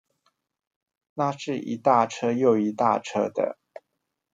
那是一大車又一大車的